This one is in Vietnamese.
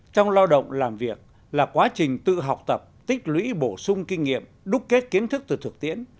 trong lao động làm việc là quá trình tự học tập tích lũy bổ sung kinh nghiệm đúc kết kiến thức từ thực tiễn